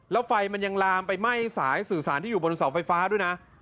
แล้วไฟมันยังลามไปไหม้สายสื่อสารที่อยู่บนเสาไฟฟ้าด้วยนะ